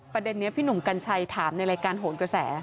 ประเด็นนี้พี่หนุ่มกัญชัยถามในรายการโหนกระแส